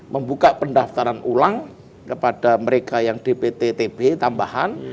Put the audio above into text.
membuka pendaftaran ulang kepada mereka yang dpt tb tambahan